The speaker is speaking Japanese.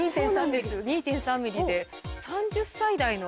２．３ｍｍ。